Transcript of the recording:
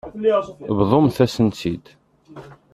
Bḍumt-as-t-id.